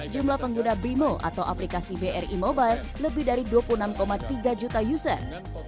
jumlah pengguna brimo atau aplikasi bri mobile lebih dari dua puluh enam tiga juta user